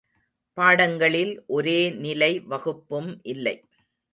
பாடங்களில், ஒரே நிலை வகுப்பும் இல்லை.